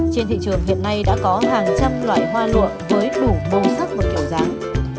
trên thị trường hiện nay đã có hàng trăm loại hoa lụa với đủ màu sắc và kiểu dáng